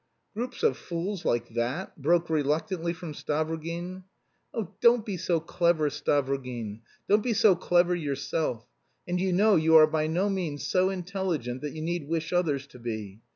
"Groups of fools like that?" broke reluctantly from Stavrogin. "Oh, don't be so clever, Stavrogin; don't be so clever yourself. And you know you are by no means so intelligent that you need wish others to be.